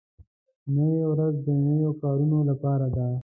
نوې ورځ د نویو کارونو لپاره ده